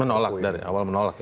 menolak dari awal menolak